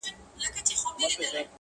o دغه ګناه مي لویه خدایه په بخښلو ارزي,